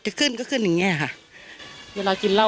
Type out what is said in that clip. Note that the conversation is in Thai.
จะขึ้นก็ขึ้นอย่างนี้ค่ะ